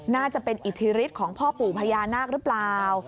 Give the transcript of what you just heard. น่าจะเป็นอิทธิฤทธิ์ของพ่อปู่พญานาคหรือเปล่า